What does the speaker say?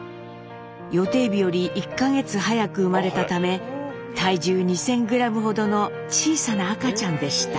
予定日より１か月早く生まれたため体重２，０００ｇほどの小さな赤ちゃんでした。